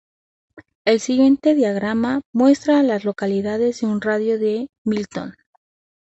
El siguiente diagrama muestra a las localidades en un radio de de Milton.